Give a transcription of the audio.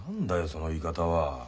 その言い方は。